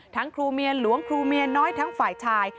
ครูเมียหลวงครูเมียน้อยทั้งฝ่ายชาย